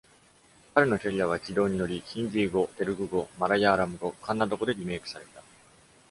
彼のキャリアは軌道に乗り、ヒンディー語、テルグ語、マラヤーラム語、カンナダ語でリメイクされた。